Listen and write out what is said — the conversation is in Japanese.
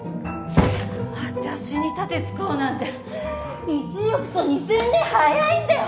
私に盾突こうなんて１億と２，０００年早いんだよ！